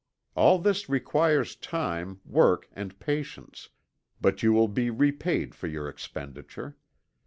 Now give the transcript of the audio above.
All this requires time, work and patience, but you will be repaid for your expenditure.